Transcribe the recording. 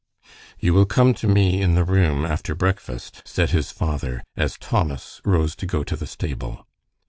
"You will come to me in the room after breakfast," said his father, as Thomas rose to go to the stable.